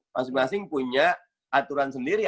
masing masing punya aturan sendiri